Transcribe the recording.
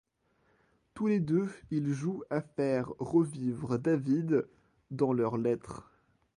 Tous les deux ils jouent à faire revivre David dans leurs lettres.